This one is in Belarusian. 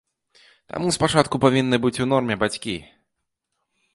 Таму спачатку павінны быць у норме бацькі.